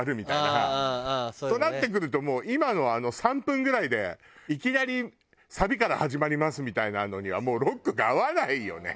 となってくるともう今のは３分ぐらいでいきなりサビから始まりますみたいなのにはもうロックが合わないよね。